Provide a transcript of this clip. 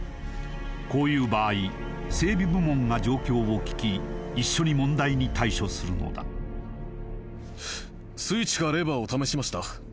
こういう場合整備部門が状況を聞き一緒に問題に対処するのだスイッチかレバーを試しました？